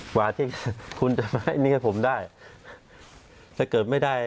กว่าที่คุณจะมาให้นี้ผมได้ถ้าเกิดไม่ได้